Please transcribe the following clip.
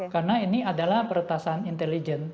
karena ini adalah pertasan intelijen